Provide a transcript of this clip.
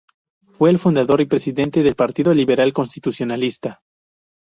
Fue fundador y presidente del Partido Liberal Constitucionalista.